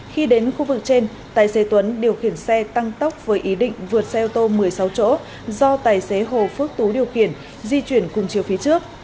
khi đến khu vực trên tài xế tuấn điều khiển xe tăng tốc với ý định vượt xe ô tô một mươi sáu chỗ do tài xế hồ phước tú điều khiển di chuyển cùng chiều phía trước